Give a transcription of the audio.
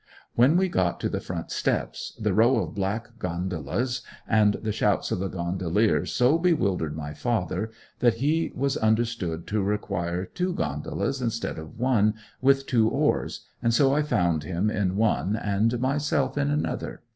When we got to the front steps the row of black gondolas and the shouts of the gondoliers so bewildered my father that he was understood to require two gondolas instead of one with two oars, and so I found him in one and myself in another.